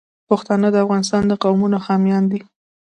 پښتانه د افغانستان د قومونو حامیان دي.